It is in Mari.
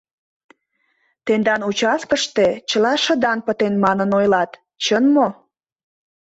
— Тендан участкыште чыла шыдаҥ пытен манын ойлат, чын мо?